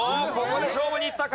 ここで勝負にいった！